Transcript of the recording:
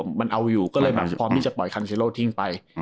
มันเอาอยู่ก็เลยแบบพร้อมที่จะปล่อยคันเซโลทิ้งไป